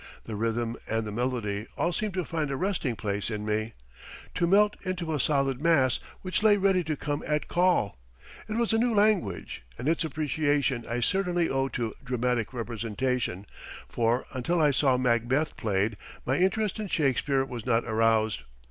The rhythm and the melody all seemed to find a resting place in me, to melt into a solid mass which lay ready to come at call. It was a new language and its appreciation I certainly owe to dramatic representation, for, until I saw "Macbeth" played, my interest in Shakespeare was not aroused.